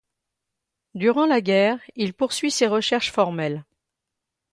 Durant la guerre, il poursuit ses recherches formelles.